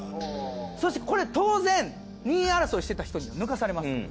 そしてこれ当然２位争いしてた人にも抜かされます。